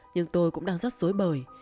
nhưng tôi cũng đang rất dối bời